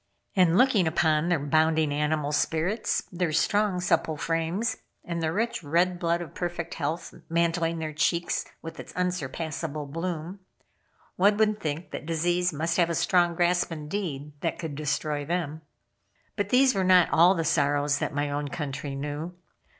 And looking upon their bounding animal spirits, their strong supple frames, and the rich, red blood of perfect health, mantling their cheeks with its unsurpassable bloom, one would think that disease must have strong grasp indeed that could destroy them. But these were not all the sorrows that my own country knew.